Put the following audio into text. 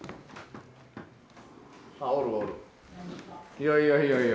いやいやいやいや。